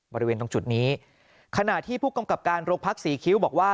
บริเวณตรงจุดนี้ขณะที่ผู้กำกับการโรงพักศรีคิ้วบอกว่า